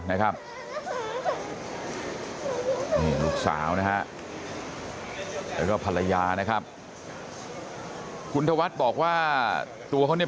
นะครับสาวนะฮะรับภรรยานะครับคุณทวัดบอกว่าตัวเขานี่